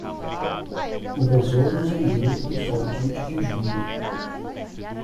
O besouro zumbiu no sol quente de junho.